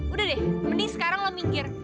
udah deh mendingan sekarang lo minggir